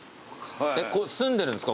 住んでるんですか？